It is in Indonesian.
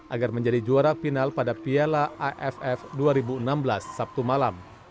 agar menjadi juara final pada piala aff dua ribu enam belas sabtu malam